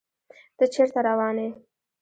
ته چيرته روان يې